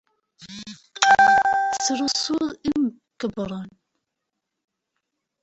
Tesrusuḍ-d imkebbren.